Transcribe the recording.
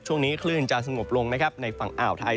ช่วงนี้คลื่นจะสงบลงนะครับในฝั่งอ่าวไทย